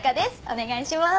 お願いします。